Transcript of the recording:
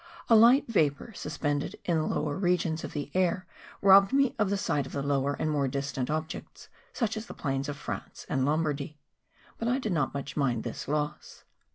A ' light va¬ pour suspended in thje lower regions of the air robbed me of the sight of the lower and more distant ob¬ jects, such as the plains of France and Lombardy; but I did not much mind this loss.